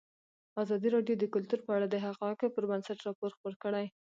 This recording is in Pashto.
ازادي راډیو د کلتور په اړه د حقایقو پر بنسټ راپور خپور کړی.